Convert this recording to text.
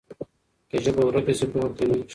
که ژبه ورکه سي پوهه کمېږي.